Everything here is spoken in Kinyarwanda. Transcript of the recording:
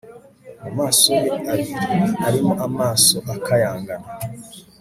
Mu maso ye abiri arimo amaso akayangana